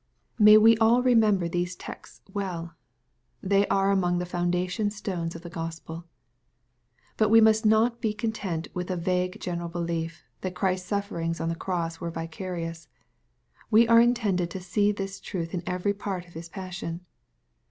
May we all remember these texts well They are among the foundation stones of the Gospel. But we must not be content with a vague general belief, that Christ's sufferings on the cross were vicarious. We are intended to see this truth in every part of His passion.